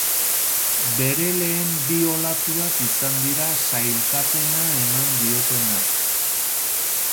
Bere lehen bi olatuak izan dira sailkapena eman diotenak.